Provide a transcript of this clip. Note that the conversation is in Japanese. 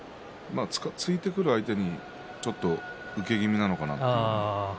突いてくる相手にまだちょっと受け気味なのかなと。